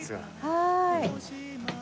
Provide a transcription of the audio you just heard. はい。